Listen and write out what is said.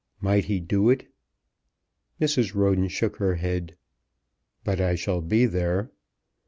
Might he do it. Mrs. Roden shook her head. "But I shall be there?"